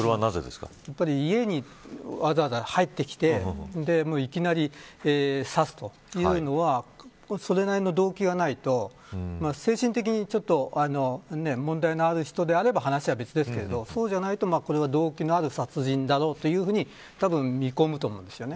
やっぱり家に、わざわざ入ってきていきなり刺すというのはそれなりの動機がないと精神的にちょっと問題のある人であれば話は別ですけどそうじゃなければ、これは動機のある殺人だろうと多分、見込むんですよね。